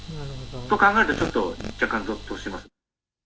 そう考えると、ちょっと、若干ぞっとします。